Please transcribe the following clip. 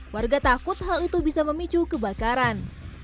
warga takut hal itu bisa memicu kebakaran